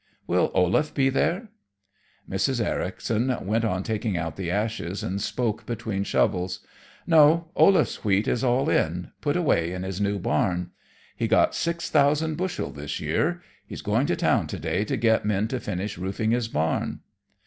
"Will Olaf be there?" Mrs. Ericson went on taking out the ashes, and spoke between shovels. "No; Olaf's wheat is all in, put away in his new barn. He got six thousand bushel this year. He's going to town to day to get men to finish roofing his barn."